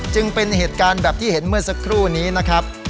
จึงเป็นเหตุการณ์แบบที่เห็นเมื่อสักครู่นี้นะครับ